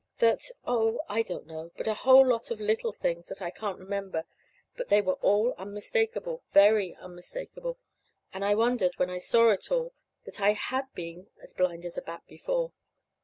That oh, I don't know, but a whole lot of little things that I can't remember; but they were all unmistakable, very unmistakable. And I wondered, when I saw it all, that I had been as blind as a bat before.